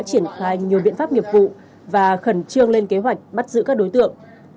thái nhiều biện pháp nghiệp vụ và khẩn trương lên kế hoạch bắt giữ các đối tượng